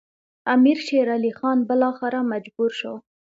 امیر شېر علي خان بالاخره مجبور شو.